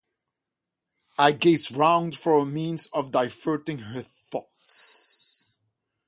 I gazed round for a means of diverting her thoughts.